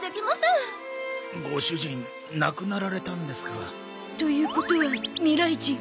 ご主人亡くなられたんですか。ということは未来人。